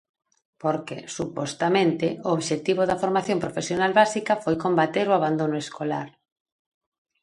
Porque, supostamente, o obxectivo da formación profesional básica foi combater o abandono escolar.